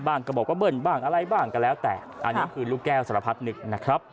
ก็บอกว่าเบิ้ลบ้างอะไรบ้างก็แล้วแต่อันนี้คือลูกแก้วสารพัดนึกนะครับ